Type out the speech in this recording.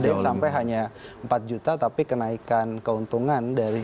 ada yang sampai hanya empat juta tapi kenaikan keuntungan dari